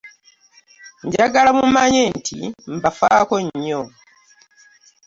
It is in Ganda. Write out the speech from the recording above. Njagala mumanye nti mbafaako nnyo.